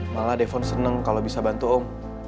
malah defon seneng kalau bisa bantu om